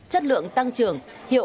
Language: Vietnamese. chất lượng tăng trưởng